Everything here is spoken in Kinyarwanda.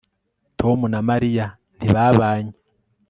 tom na mariya ntibabanye